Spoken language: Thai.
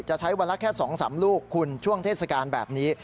ใช้วันละแค่๒๓ลูกคุณช่วงเทศกาลแบบนี้